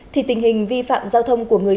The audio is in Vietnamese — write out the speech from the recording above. thì tình hình vi phạm giao thông của người